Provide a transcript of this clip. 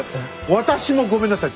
私もごめんなさい。